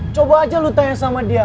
coba aja lu tanya sama dia